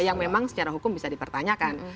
yang memang secara hukum bisa dipertanyakan